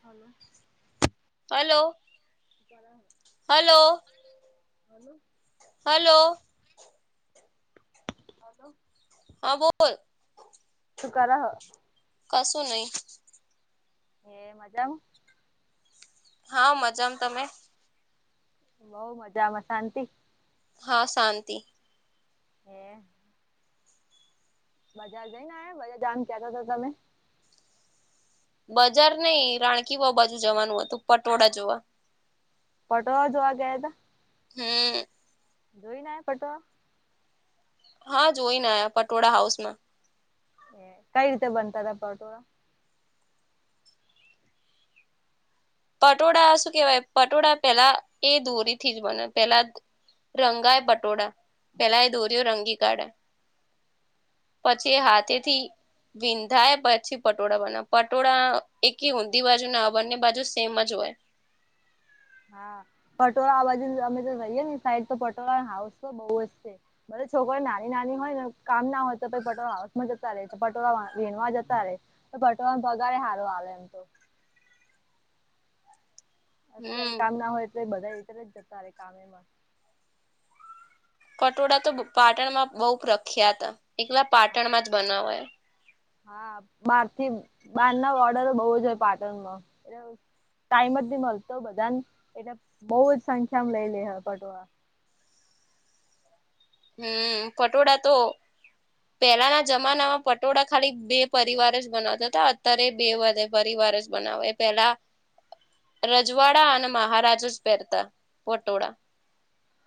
Hello hello hello. Hello hello hello હા બોલ શુકરઃ. કસું નહી એ મજા આવ હા મજામ તમે બઉ મજામાં શાંતિ હા શાંતિ હે બજાાર જઈને આયા બધા જામ ક્યા થ હતા તમે બજાર નઈ રાણ ક બાજુ જવાનું હતું પટોળ જોવા પટોવા જોવા ગયા હતા હમ જોઈ ના પટો. હા જોઈને આયા પટોળા હાઉસ માં. એ કઈ રીતે બનતાાર પઉટોરા. પટોળા શું કેહેવાય પટોળા પેલા એ દોરીથી જ બને પેલા. રંગાય બટોળા પેલા એ દોરયો રંગી કાઢાય. પછી હાથેથી. વિંધાય પછી પટોળા બનાવ પટોળા એકી ઊંધી બાજુ ના બંને બાજુ. તેમમ જ હોય. હા પટોળા આ બાજુ અમે તો રહીએ ને સાઈડ તો પટોળા હાઉસ તો બહુ જ છે. બધ છોકરો નાની નાની હોય ને કામ ના હોય તો પ પટોળ હાઉસ માં જતા રે પટોળ વીણવા જતા રે. તો બટવાન પગારે સારો આવે એમ તો. અત્યારે હમ કામ ના હોય એટલે બધા રીતર જતા ર કામેમાં. પટોળા તો પાટણમાં બહુ પ્રખ્યા હતા એકલા પાટણ માં જ બનાવાયા. હા બાર થી બાર ના ઓર્ડર બહુ જ હોય પાટણમાં. ટાઈમ જ થી મળતો બધાને એટલે બહ જ સંખ્યામાં લઈ લે હ પટવા. હમ પટોળડા તો. પહેલાના જમાનામાં પટોળા ખાલી બે પરિવાર જ બનાવતા હતા અત્યારે બે પરિવાર જ. બનાવે એ પેલા રજવાડા અને મહારાજ જ પહેરતા પટોળા.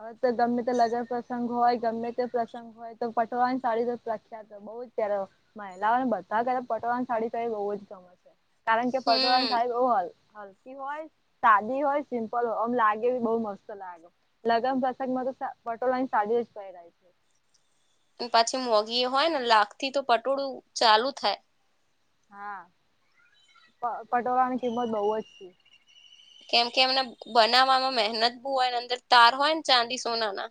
હવે તો ગમે તે લગન પ્રસંગ હોય ગમે તે પ્રસંગ હોય તો પટવાની સાડી પ્રખ્યાત. બઉ જ ત્યારે મહિલાઓને બધા ક પટવાની સાડી બઉુ જ ફેમસ. કારણ કે પટોળણ સાહેબ હમ ઓ હલ. હોય સાદી હોય સિમ્પલ હોય આમ લાગે બહ મસ્ત લાગે. લગ્ પ્રસંગ મગ પટોલાની સાડીજ પહેરાય છે. પાછી મોગી એ હોય ને લાખ થી તો પટોળું ચાલુ થાય. હા પ પટોળાની કિંમત બહુજ છે. કેમ કે એમને બનાવવામાં મહેનત બહુ હોય અંદર તાર હોય ને ચાંદી સોના ના.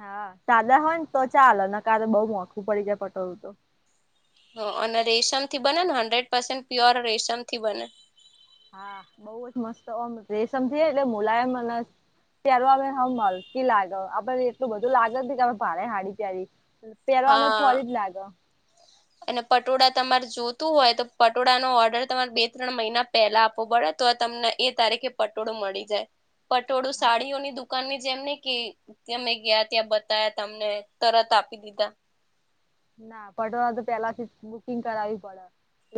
હા સાાદા હોય ને તો ચાલ અને ક બઉ મોખું પડી જાય પટોળું તો. અને રેશમથી બને ને હન્ડ્રેડ પસેન્ટ પ્યોર રેશમ થી બને. હા બઉુ જ મસ્તમ રેશમ થ એટલે મુલાયમને. ત્યારે અમે હ હલકી લાગ્યો આપડને એટલું બધું લાગત ન કે ભાણે હાડી તારી. પેલો અમે હા ફરી જ લાગો. અને પટોળા તમારે જોતું હોય તો પટોળાનોો ઓર્ડર તમારે બે ત્રણ મહિના. પેલા આપવો પડે તો તમને એ તારીખે પટોળો મળી જાય. પટોળું હા. સાડીઓની દુકાનની જેમ ને કે. ત્યાં મેં ગયા ત્યાં બતા્યા તમને તરત આપી દીધા. ના પટોવા તો પેલાથી જ બુકિંગ કરાવવી પડે.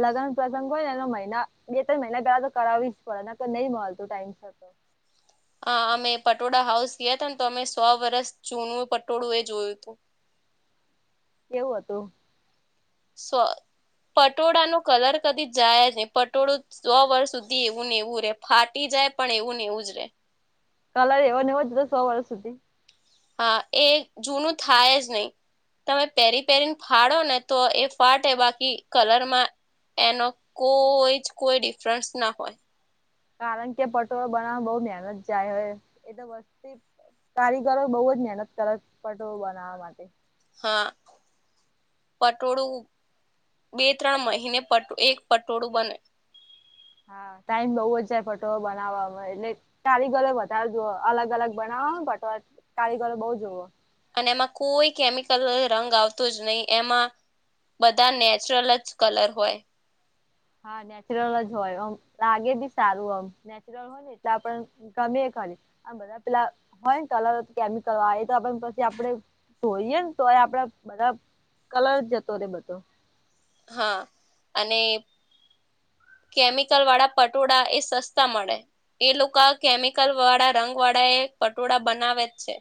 લગ્ન પ્રસંગ હોય ને એનો મહિના બે તણ મહિના પેલા તો કરાવવી જ પડેને નહી મળતું ટાઈમતો. અમે પટોળા હાઉસ ગયા હતા ને તો અમે સો વર્ષ જૂનું પટોળું એ જોયું હતું. કેવું હતું, સો પટોળા નુ કલર કદી જાય નહી, પટોળું સો વર્ષ સુધી એવું ને એવું રે ફાટી જાય પણ એવું ને એવું જ રે. કલર એવો નેવ જતો સો વર્ષ સુધી. હા એ જૂનું થાય જ નહીિ. તમે પેરી પેરીને ફાળો ને તો એ ફાટે બાકી કલરમાં. એનો કોઈ જ કોઈ ડિફરન્સ ના હોય. કારણ કે પટોળો બનાવવામાં બહ મહેનત જાય હોય એ તો વસ્તી. કારીગરો બહુ જ મહેનત કરે પટો બનાવવા માટે. હા. પટોળું બે ત્રણ મહિને પ એક પટોળું બને. હા ટાઈમ બઉુ જ જાય પટો બનાવવામાં એટલે. કારીગરો વધારે જુઓ અલગ અલગ બનાવો બટવા કારીગરો બઉ જઓ. અને એમાં કોઈ કેમિકલ રંગ આવતો જ નહીિ એમાં. બધા નેચરલ જ કલર હોય, હા, નેચરલ જ હોય આમ લાગે બી સારું આમ નેચર [unintelligible] હોય ને એટલે આપ ગમે બધા પેલા હોય ને ક અલ કેમિકલ આવે તો પછી આપડે જોઈએ, ને તોય આપડે બધો કલર જતો રે બધો હા, અને કેમિકલ વાળા પટોળા એ સસ્તા મળે એ લોકો કેમિકલ વાળા રંગ વાળા એ પટોળા બનાવે જ છે,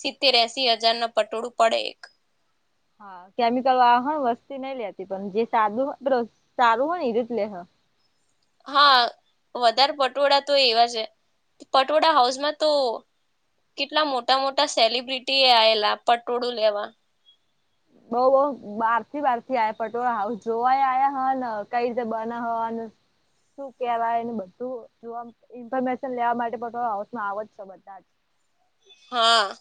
સિત્તેર એસી હજાર ન પટોળું પડે એક હા, કેમિકલ વાહન વસ્તી નહી લેતી પણ જે સાદું સારું હોય ને એ રીત લે હા, વધારે પટોળ તો એવા છે, પટોળ હાઉસમાં તો કેટલા મોટા મોટા સેલિબ્રિટી આવેલા પટોળું લેવા બઉ બઉ બહાર થી બાર થી આયા પટોળ જોવાય આવ્યા હ ને કઈ રીતે બને હ ને શું કેવાય ને બધું જોવા ઇન્ફોર્મેશન લેવા માટે પણ હાઉસમાં આવે જ છે, બધા જ હા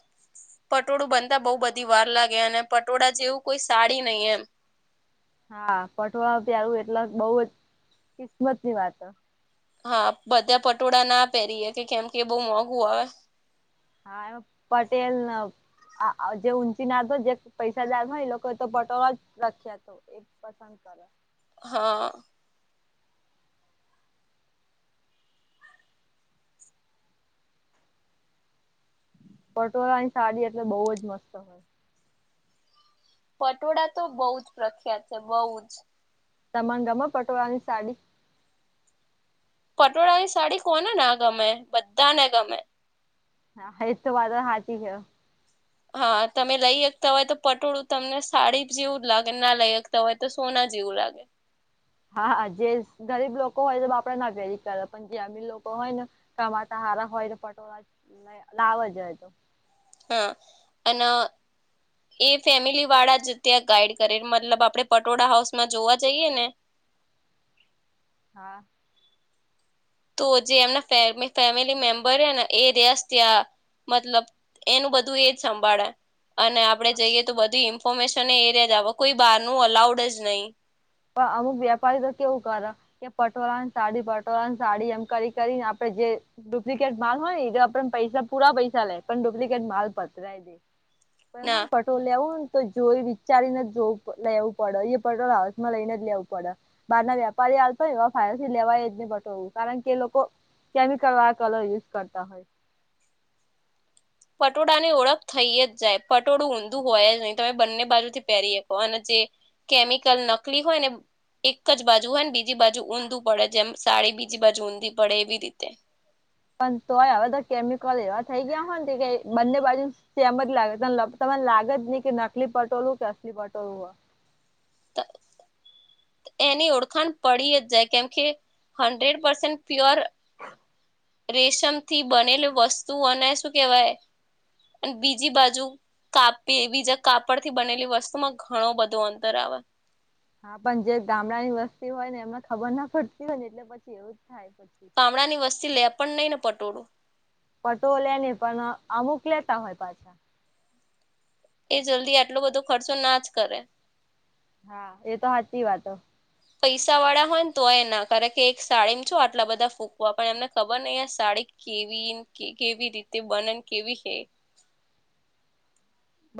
પટોળું બનતા બહુ બધી વાર લાગે અને પટોળા જેવું કોઈ સાડી નહીં એમ હા, પઠવા તારું એટલા બહ જ કિસ્મત ની વાત હા, બધા પટોળા ના પહેરીએ કે કેમ કે બહુ મોંઘું આવે હા, એમાં પટેલ ન જે ઊંચી ના હતો જે પૈસાદાર એ લોકોએ તો પટોળ જ રાખ્યા હતો, પસંદ કરે હા પટોળ ની સાડી એટલે બઉ જ મસ્ત હોય, પટોળા તો બઉ જ પ્રખ્યાત છે, બહઉ જ તમ ગમ પટોળાની સાડી. પટોળાની સાડી કોને ને ગમે બધા ને ગમે. હા, હ તો વાદ હાથી છે. હા, તમે લઈ શતા હોય તો પટોળું તમને સાડી જેવું જ લાગે ના લઈ શકતા હોય તો સોના જેવું લાગે હા, હા જે ગરીબ લોકો હોય તો બાપડે નાભેરી કરે પણ ગ્રામીણ લોકો હોય ને ટમાટા સારા હોય ને પટોળા લાવવા જ હોય તો હા, અને એ ફેમિલી વાળા જ ત્યાં ગાઈડ કરે મતલબ આપડે પટોળા હાઉસમાં જોવા જઈએ, ને હા. તો જે એમના ફેમિલી મેમ્બર હે ને એ ર્યાસ ત્યાં. મતલબ એનું બધું એજ સંભાળે. અને આપણે જઈએ તો બધી ઇન્ફોર્મેશન એ એરિયા જ આવે કોઈ બહારનું અલાઉડ જ નહીં. અમુક વ્યાપારી તો કેવું કારા. કે પટોળની સાડી પટોળ સાડી એમ કરી કરીને આપડે જે. ડુપ્લિકેટ માલ હોય ને પણ પૈસા પુરા પૈસા લે પણ ડુપ્લિકેટ માલ પતરાય દે. પણ હા ના પટ્રોલ લેવું ને તો જોઈ વિચારીને જોવ લેવું પડે પટોલ. માં લઈને જ લેવું પડે બાર ના વ્યાપારી આવતો હોય, એવા ફાય લેવાય જ નહી પું કારણ કે એ લોકો. કેમિકલ વાળ કલર યુઝ કરતા હોય, પટોળા ની ઓળખ થઈ જ જાય પટોળું ઊંધું હોય જ નહી તમે બંને બાજુથી પહેરી શકો અને જે. કેમિકલ નકલી હોય ને. એક જ બાજુ હોય ને બીજી બાજુ ઊંધું પડે જેમ સાડી બીજી બાજુ ઊંધી પડે એવી રીતે. પણ તોય હવે બધા કેમિકલ એવા થઈ ગયા હોય, ને કે બંને બાજુ. તેમ જ લાગે તમને લાગે જ નહી કે નકલી પટોળ કે અસલી પટોળું હોય, [unintelligible] એની ઓળખાણ પડી જ જાય કેમકે હંડ્રેડ પસેટ પર. રેશમ થી બનેલ વસ્તુઓને શું કેહેવાય, અને બીજી બાજુ. કાપી એ બીજા કાપડ થી બનેલી વસ્તુ માં ઘણો બધું અંતર આવે. હા પણ જે ગામડા ની વસ્તી હોય ને એમને ખબર ના પડતી હોય ને એટલે પછી એવું જ થાય પછી. ગામડા ની વસ્તી લે પણ નઈ ને પટોળું. પટો લેને પણ અમુક લેતા હોય પાછા. એ જલ્દી આટલો બધો ખર્ચો ના જ કરે. હા એ તો સાચી વાતો. પૈસા વાળા હોય ને તોય ના કારણ કે એક સાડીમ છો આટલા બધા ફૂકવા પણ એમને ખબર ન સાડી. કેવી કે કેવી રીતે બનન કેવી હૈ.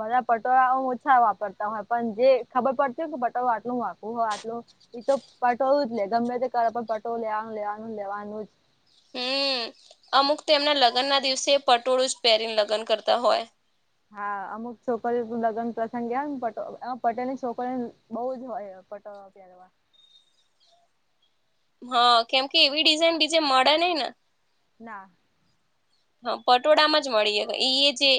બધા પટોળા હું ઓછા વાપરતા હોય પણ જે ખબર પડતી હોય કે પટોળ આટલું વાપવું હોય આટલું. તો પટોળ જ લે ગમે તે કર પણ પટોળ લેવાનું લેવાનું લેવાનું જ. હમ અમુક તેમ એમના લગ્ન ના દિવસે પટોળું જ પહેરીને લગ્ન કરતા હોય. હા અમુક છોકરી લગ્ન પ્રસંગ ગ ને પટો એમાં પટેલી છોકરીને બહુ જ હોય પટો. પ દ. હા કેમકે એવી ડિઝાઇન બીજે મળે નહ ને. ના. હા પટોળામાં જ મળીએ એ જે.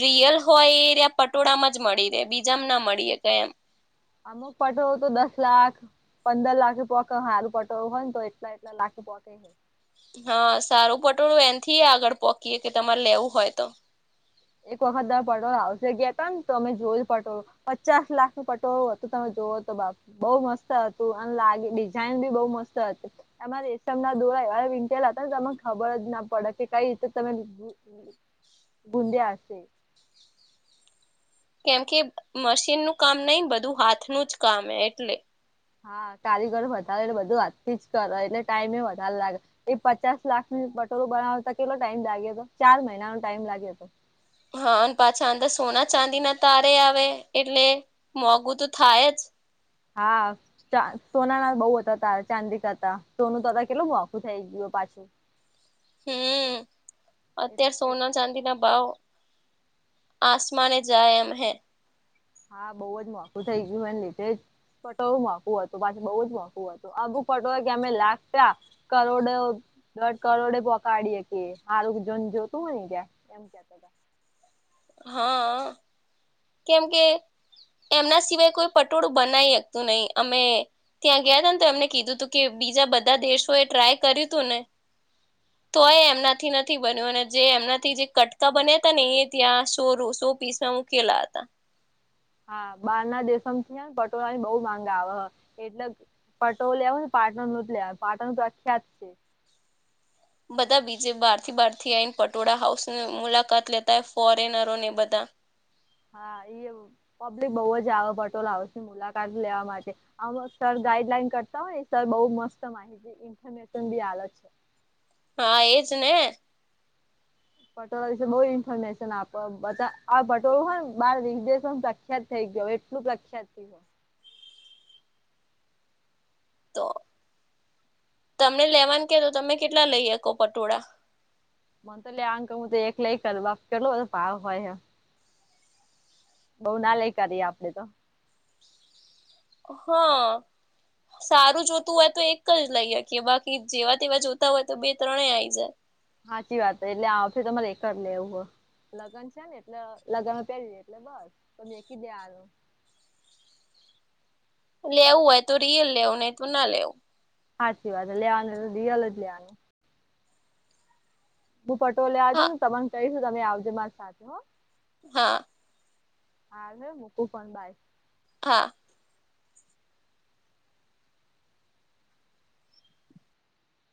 રિયલ હોય એ ત્યા પટોળામાં જ મળી રહે બીજામ ના મળીએ ક એમ. અમુક પટો તો દસ લાખ. પંદર લાખી પોકે હાલું પટોળું હોય ને તો એટલા એટલા લાખી પોકે. હા સારું પટોળું એનથી આગળ પકીએ કે તમારે લેવું હોય તો. એક વખત દ પટોળ આવશે ગયા હતા ને તો અમે જોઈલ પટો. પચાસ લાખ નું પટોળું હતું તમે જોુઓ તો બાપ. બઉ મસ્ત હતું અને લાગે ડિઝઇન બી બઉુ મસ્ત હતી. એમાં રેશમ ના દોરા એવા વિેલા હતા તને ખબર જ ના પડે કે કઈ રીતે તમે બુંંદે આશે. કેમ કે મશીનનુંું કામ નહી બધું હાથનુંું જ કામ એટલે. હા કારીગર વધારે એટલે બધું હાથ થી જ કરે એટલે ટાઈમે વધારે લાગે. એ પચાસ લાખ ન પટોરોું બનાવતા કેટલો ટાઈમ લાગ્યો હતો ચાર મહિનાનો ટાઈમ લાગ્યો હતો. હા પાછા અંદર સોના ચાંદી ના તારે આવે એટલે મોંઘું તો થાય જ હા. સોનાના બહુ હતા ત ચાંદિકા હતા સોનું તો હતા કેટલું મોખું થઈ ગયું પાછું હમ અત્યારે સોના ચાંદી ના ભાવ આસમાને જાયમ હૈ. હા બહુ જ મોકું થઇ ગયું મને લીધે જ. પટોળું મોફું હતું પાછી બઉુ જ મોફું હતું આ બુક પટોળ કેમે લાગ્યા. કરોડો દઢ કરોડે પકડીએ કે હારું જન જોતું હોય ને ક્યાં. [unintelligible] હા. કેમ કે એમના સિવાય કોઈ પટોળું બનાવી શકતું નહી અમે ત્યાં ગયા હતા ને તો એમને કીધું તું કે બીજા બધા દેશો એ ટ્રાય કર્યું તું ને તોય એમનાથી નથી બન્યો અને જે એમનાથી જે કટકા બન્યા હતા ને એ ત્યાં સો રસો પીસમાં મુંકેલાત. હા બાર ના દેશોથી ને પટોળાની બહ માંગા આવે એટલે પટોલો આવ ને પાટણનું જ લે પાટણ પ્રખ્યાત છે. બધા બીજે બહાર થી બહાર થી આઈને પટોળા હાઉસ ની મુલાકાત લેતા ફોરેનરો ને બધા હા એ પબ્લિક બહુ જ આવે પટોલાવની મુલાકાત લેવા માટે. આમ સર ગાઈડલાઈન કરતા હોય ને સર બહુ મસ્ત માહિતી ઇન્ફોર્મેશન બી આત છે. હા એજ ને. પટોળા વિશે બહુ ઇન્ફોર્મેશન આપો બધા આ પટોળું હોયને બહાર વિદેશમાં પ્રખ્યાત થઈ ગયો એટલું પ્રખ્યાત. તો તમને લેવાનું કે તો તમે કેટલા લઈ હકો પટોળા. મ તો લેવાનું કે હોય તો હું તો એક લઈ કેટલો બધું ભાવ હોય એમ. બઉુ ના લઈ કરીએ આપડે તો. હ. સારું જોતું હોય તો એક જ લઈએ હકીએ બાકી જેવા તેવા જોતા હોય તો બે ત્રણે આયી જાય. હાચી વાત એટલે આવશે તમારે એક લેવું હોય લગન છે. ને એટલે લગન પેર લઈએ એટલે બસ તો મેકી દેવાનું. લેવું હોય તો રિયલ લેવું નહી તો ના લેવું. હાચી વાત લેવાનું તો રિયલ જ લેવાનું. હું પટોળું લેવા જઉં હા ને તો તમ ને કઈશ તમે આવજો મારી સાથે હ. હા. હા લે મુકુ કોલ બાય. હા.